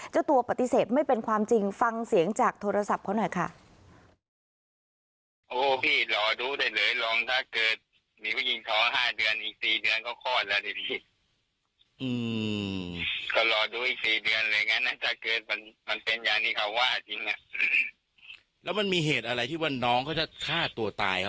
เจ้าตัวปฏิเสธไม่เป็นความจริงฟังเสียงจากโทรศัพท์เขาหน่อยค่ะ